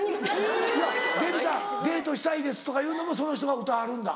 いやデヴィさんデートしたいですとかいうのもその人が打たはるんだ。